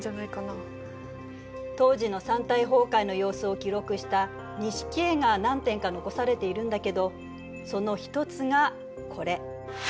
当時の山体崩壊の様子を記録した錦絵が何点か残されているんだけどその一つがこれ。